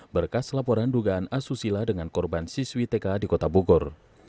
berkas laporan dugaan asusila dengan korban siswi tk di kota bogor